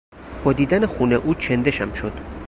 با دیدن خون او چندشم شد.